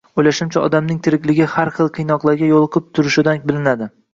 O‘ylashimcha, odamning tirikligi har xil qiynoqlarga yo‘liqib turishidan bilinadi